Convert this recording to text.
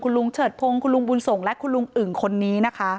ลุงเฉิดพงศ์คุณลุงบุญส่งและคุณลุงอึ่งคนนี้นะคะ